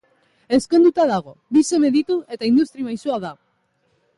Ezkonduta dago, bi seme ditu eta industri maisua da.